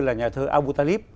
là nhà thơ abu talib